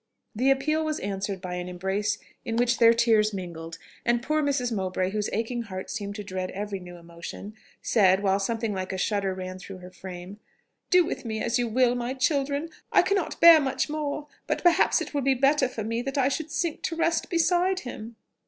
The appeal was answered by an embrace in which their tears mingled, and poor Mrs. Mowbray, whose aching heart seemed to dread every new emotion, said, while something like a shudder ran through her frame, "Do with me as you will, my children.... I cannot bear much more.... But perhaps it would be better for me that I should sink to rest beside him!"